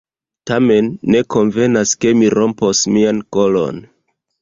Tamen, ne konvenas, ke mi rompos mian kolon.